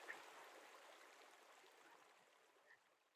Lockhart tuvo una larga carrera teatral.